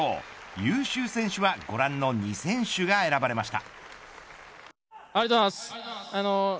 優秀選手はご覧の２選手が選ばれました。